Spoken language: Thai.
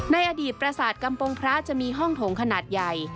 ในอดีตประสาทกำปงพระจะมีห้องโถงขนาดใหญ่